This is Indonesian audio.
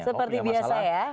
seperti biasa ya